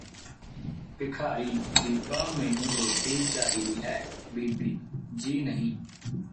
ਭਿਖਾਰੀ ਬੀਬਾ ਮੈਨੂੰ ਰੋਟੀ ਚਾਹੀਦੀ ਹੈ ਬੀਬੀ ਜੀ ਨਹੀਂ